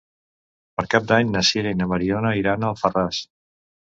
Per Cap d'Any na Sira i na Mariona iran a Alfarràs.